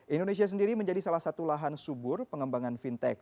indonesia sendiri menjadi salah satu lahan subur pengembangan fintech